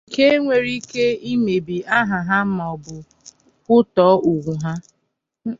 nke nwere ike imebi aha ha maọbụ kpụtọọ ùgwù ha